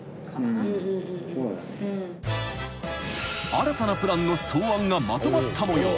［新たなプランの草案がまとまったもよう］